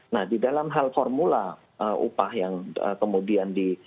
nah di dalam hal formula upah yang kemudian di